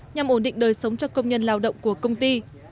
nhằm ổn định đời sống cho công nhân lao động của công ty